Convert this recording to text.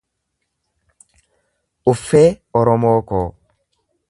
Uffee Oromoo koo